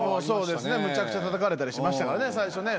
そうですねむちゃくちゃたたかれたりしましたから最初。